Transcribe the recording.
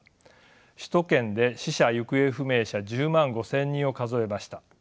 首都圏で死者・行方不明者１０万５，０００人を数えました。